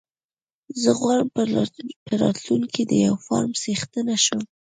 زه غواړم په راتلونکي کې د يو فارم څښتن شم.